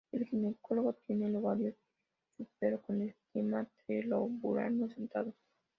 El gineceo tiene el ovario súpero con estigma trilobulado, sentado.